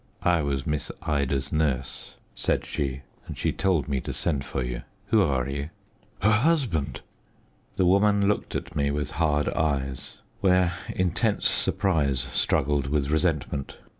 "I was Miss Ida's nurse," said she; "and she told me to send for you. Who are you?" "Her husband " The woman looked at me with hard eyes, where intense surprise struggled with resentment.